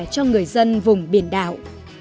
cho người dân vùng biển đảo